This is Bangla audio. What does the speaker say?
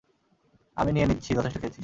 আমি নিয়ে নিচ্ছি, যথেষ্ট খেয়েছিস।